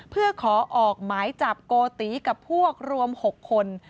เพื่อขอออกหมายจับโกติกับพวกรวม๖คน